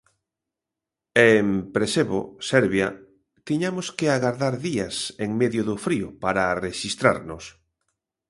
E en Presevo, Serbia, tiñamos que agardar días en medio do frío para rexistrarnos.